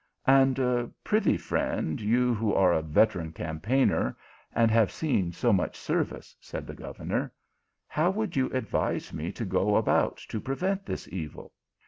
" And pry thee, friend, you who are a veteran cam paigner, and have seen so much service," said the governor, " how would you advise me to go about to prevent this evil